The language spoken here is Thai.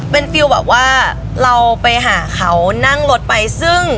เป็นฟิลแบบว่าเราไปหาเขานั่งรถไปซึ่ง